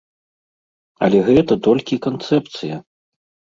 Але гэта толькі канцэпцыя!